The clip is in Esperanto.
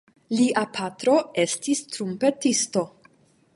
Lia patro estis trumpetisto.